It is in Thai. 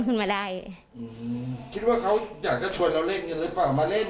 ขึ้นมาได้อืมคิดว่าเขาอยากจะชวนเราเล่นกันหรือเปล่ามาเล่น